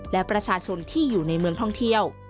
และประชาชนที่อยู่ในเมืองท่องเที่ยว